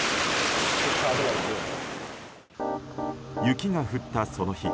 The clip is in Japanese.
雪が降ったその日